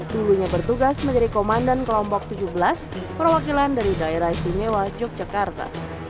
dulunya bertugas menjadi komandan kelompok tujuh belas perwakilan dari daerah istimewa yogyakarta